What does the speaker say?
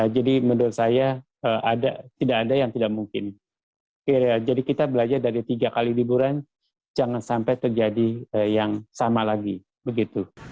jadi menurut saya tidak ada yang tidak mungkin jadi kita belajar dari tiga kali liburan jangan sampai terjadi yang sama lagi